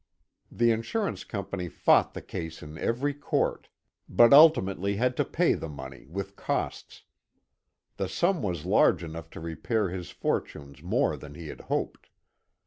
The insurance company fought the case in every court, but ultimately had to pay the money with costs. The sum was large enough to repair his fortunes more than he had hoped.